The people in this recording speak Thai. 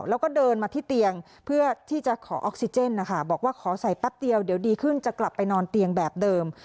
แล้วก็เดินมาที่เตียงเพื่อที่จะขอออกซิเจนนะคะบอกว่าขอใส่แป๊บเดียวเดี๋ยวดีขึ้นจะกลับไปนอนเตียงแบบเดิม